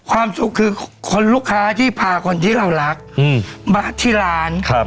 ความสุขคือคนลูกค้าที่พาคนที่เรารักมาที่ร้านครับ